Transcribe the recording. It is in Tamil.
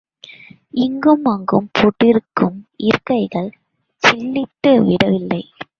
இங்கும் அங்கும் போடப்பட்டிருந்த இருக்கைகள் சில்லிட்டு விடவில்லை.